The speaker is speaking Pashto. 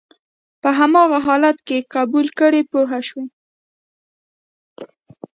په هماغه حالت کې یې قبول کړئ پوه شوې!.